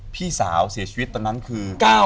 พี่สาวเสียชีวิตตอนนั้นคือ